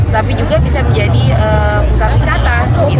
tapi juga bisa menjadi pusat wisata